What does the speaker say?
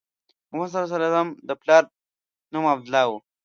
محمد صلی الله علیه وسلم د پلار نوم عبدالله و.